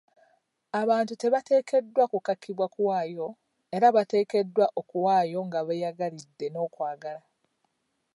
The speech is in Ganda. Abantu tebateekeddwa kukakibwa kuwaayo era bateekeddwa okuwaayo nga beeyagalidde n'okwagala.